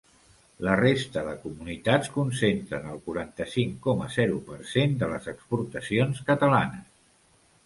La resta de comunitats concentren el quaranta-cinc coma zero per cent de les exportacions catalanes.